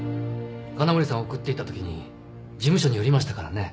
金森さんを送っていったときに事務所に寄りましたからね。